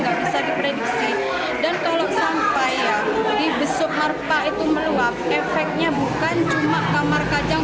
gak bisa diprediksi dan kalau sampai di besok marpa itu meluap efeknya bukan cuma kamar kacang